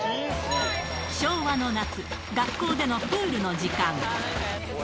昭和の夏、学校でのプールの時間。